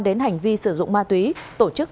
đến hành vi sử dụng ma túy tổ chức